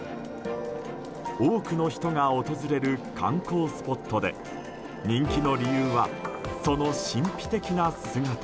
多くの人が訪れる観光スポットで人気の理由は、その神秘的な姿。